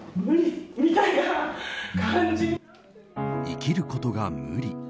生きることが無理。